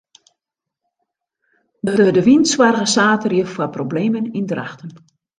De hurde wyn soarge saterdei foar problemen yn Drachten.